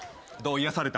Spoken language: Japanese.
癒やされた？